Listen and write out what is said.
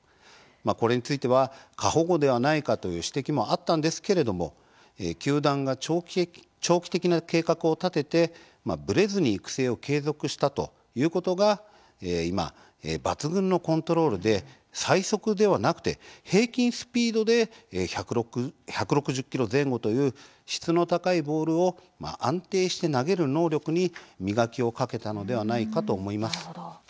これについては過保護ではないかという指摘もあったんですけれども球団が長期的な計画を立ててぶれずに育成を継続したということが今、抜群のコントロールで最速ではなくて、平均スピードで１６０キロ前後という質の高いボールを安定して投げる能力に磨きをかけたのではないかと思います。